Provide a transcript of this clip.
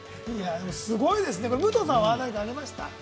でもすごいですね、武藤さんは何かありましたか？